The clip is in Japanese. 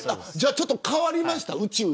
じゃあ、ちょっと変わりました。